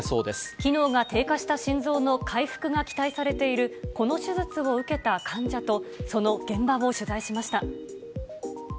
機能が低下した心臓の回復が期待されているこの手術を受けた患者と、その現場を取材しました。